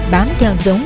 bám theo giống